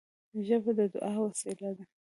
ژبه د دعا وسیله ده